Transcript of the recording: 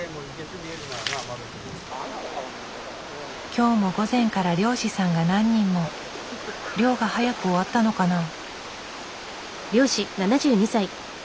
今日も午前から漁師さんが何人も。漁が早く終わったのかな？